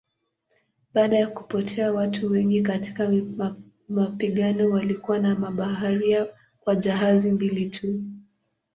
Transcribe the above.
Baada ya kupotea watu wengi katika mapigano walikuwa na mabaharia kwa jahazi mbili tu.